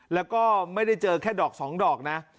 แล้วก็ไม่ได้เจอแค่ดอกสองดอกนะ